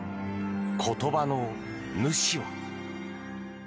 言葉の主は。